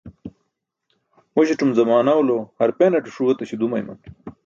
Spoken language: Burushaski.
Muśatum zamaanwalo harpanate ṣuu etáśo dumayman.